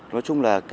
nói chung là